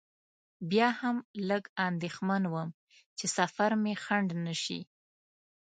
بیا هم لږ اندېښمن وم چې سفر مې خنډ نه شي.